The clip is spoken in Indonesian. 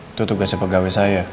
itu tugas pegawai saya